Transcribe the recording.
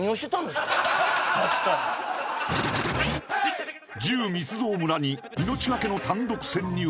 確かに銃密造村に命がけの単独潜入